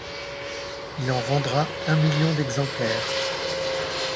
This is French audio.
Il en vendra un million d'exemplaires.